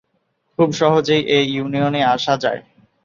খুব সহজেই এ ইউনিয়ন এ আসা যাই।